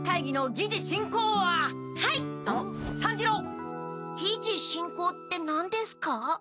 「議事進行」って何ですか？